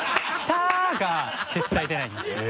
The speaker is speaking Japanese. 「タ」が絶対出ないんですね。